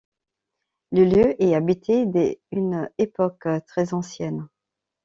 Le lieu est habité dès une époque très ancienne.